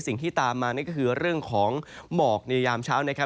สิ่งที่ตามมาก็คือเรื่องของหมอกในยามเช้า